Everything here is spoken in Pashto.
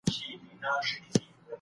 نړیوال سازمانونه کار کوي.